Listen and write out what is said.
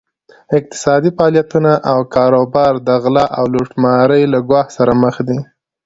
اقتصادي فعالیتونه او کاروبار د غلا او لوټمارۍ له ګواښ سره مخ دي.